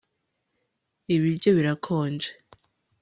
Ibiryo birakonja